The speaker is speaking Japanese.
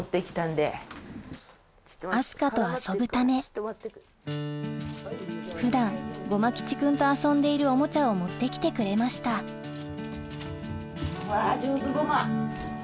明日香と遊ぶため普段ごま吉くんと遊んでいるおもちゃを持って来てくれましたうわ上手ごま。